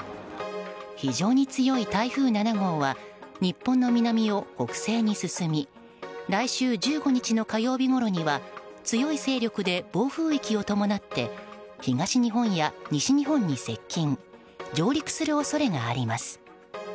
非常に強い台風７号は日本の南を北西に進み来週１５日の火曜日ごろには強い勢力で暴風域を伴って東日本や西日本に接近上陸する恐れがあります。